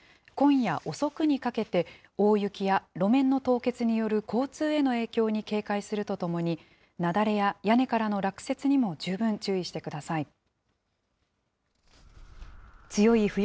今夜遅くにかけて、大雪や路面の凍結による交通への影響に警戒するとともに、雪崩や屋根からの落雪にも十分注意してください。